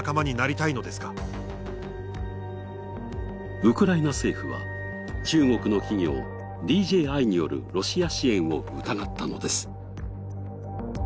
ウクライナ政府は中国の企業、ＤＪⅠによるロシア支援を疑ったのです。